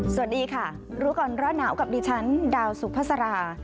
สวัสดีค่ะรู้ก่อนร้อนหนาวกับดิฉันดาวสุภาษา